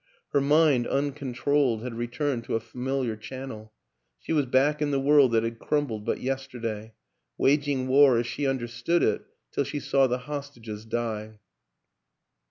Her mind, uncontrolled, had re turned to a familiar channel; she was back in the world that had crumbled but yesterday, waging war as she understood it till she saw the hostages die.